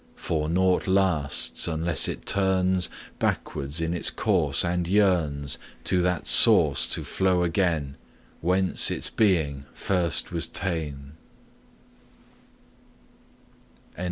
For naught lasts, unless it turns Backward in its course, and yearns To that Source to flow again Whence its being first was ta'en. VII.